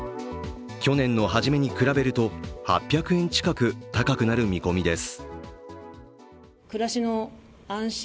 去年のはじめに比べると８００円近く高くなる見込みです。